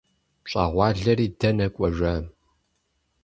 ПщӀэгъуалэри дэнэ кӀуэжа?